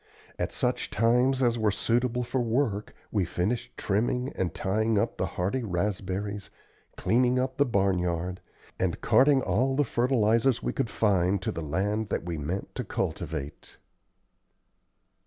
At such times as were suitable for work we finished trimming and tying up the hardy raspberries, cleaning up the barnyard, and carting all the fertilizers we could find to the land that we meant to cultivate.